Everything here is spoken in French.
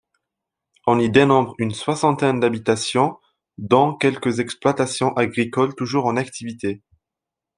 On y dénombre une soixantaine d'habitations dont quelques exploitations agricoles toujours en activité.